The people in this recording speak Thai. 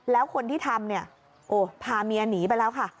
แล้วคนที่ทำเนี่ยโอ้พาเมียหนีไปแล้วค่ะ